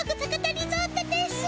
リゾートですぅ。